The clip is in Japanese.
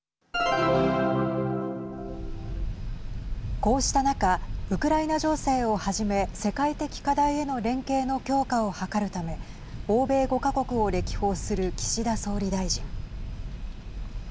こうした中ウクライナ情勢をはじめ世界的課題への連携の強化を図るため欧米５か国を歴訪する岸田総理大臣。